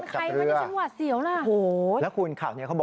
เกือบจะหัวขาด